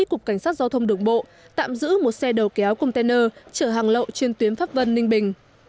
cục cảnh sát giao thông đường bộ tạm giữ một xe đầu kéo container chở hàng lậu trên tuyến pháp vân ninh bình